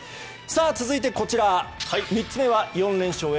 続いて３つ目は、４連勝へ。